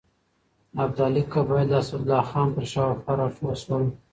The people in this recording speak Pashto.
ابدالي قبایل د اسدالله خان پر شاوخوا راټول شول.